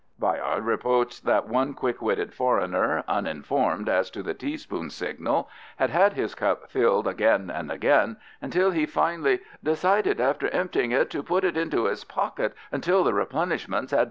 Bayard reports that one quick witted foreigner, uninformed as to the teaspoon signal, had had his cup filled again and again until he finally "decided after emptying it to put it into his pocket until the replenishments had been concluded."